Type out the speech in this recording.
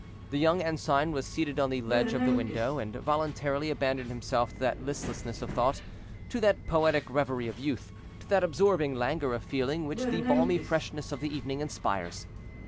The young ensign was seated on the ledge of the window, and voluntarily abandoned himself to that listlessness of thought, to that poetic reverie of youth, to that absorbing languor of feeling, which the balmy freshness of evening inspires.